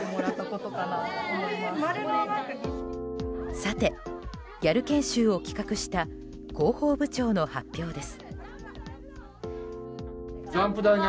さて、ギャル研修を企画した広報部長の発表です。